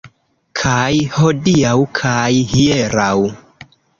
Kaj hodiaŭ kaj hieraŭ.